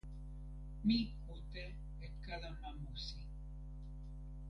mi kute e kalama musi.